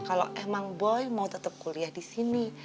kalo emang boy mau tetep kuliah disini